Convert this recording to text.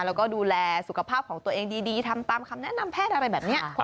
แล้วก็ดูแลสุขภาพของตัวเองดีทำตามคำแนะนำแพทย์อะไรแบบนี้